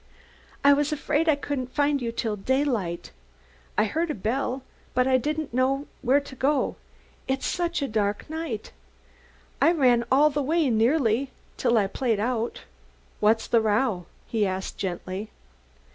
"I was afraid I couldn't find you till daylight. I heard a bell, but I didn't know where to go, it's such a dark night. I ran all the way, nearly, till I played out." "What's the row?" he asked gently.